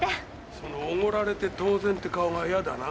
そのおごられて当然って顔がやだな。